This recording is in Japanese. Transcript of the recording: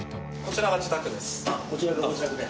こちらがご自宅で？